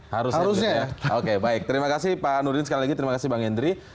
harus harusnya ya oke baik terima kasih pak nurdin sekali lagi terima kasih bang hendri